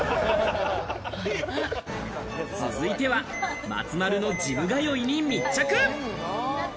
続いては松丸のジム通いに密着。